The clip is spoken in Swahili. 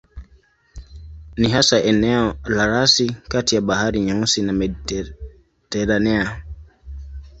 Ni hasa eneo la rasi kati ya Bahari Nyeusi na Mediteranea.